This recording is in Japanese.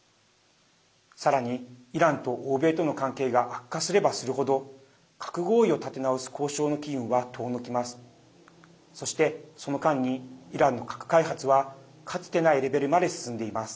さらに、イランと欧米との関係が悪化すればする程核合意を立て直す交渉の機運は遠のきます。